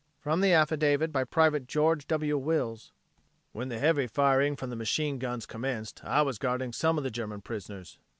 From the affidavit by Private George W. Wills: "When the heavy firing from the machine guns commenced, I was guarding some of the German prisoners.